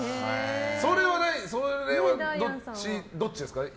それはどっちですか？